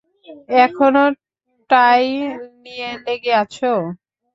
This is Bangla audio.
এখনো টাই নিয়ে লেগে আছো?